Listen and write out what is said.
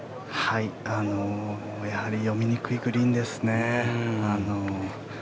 やはり読みにくいグリーンですね。